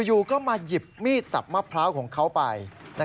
อยู่ก็มาหยิบมีดสับมะพร้าวของเขาไป